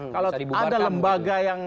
kalau ada lembaga yang